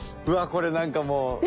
うわこれなんかもう。